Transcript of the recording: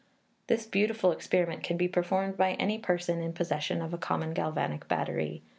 This beautiful experiment can be performed by any person in possession of a common galvanic battery.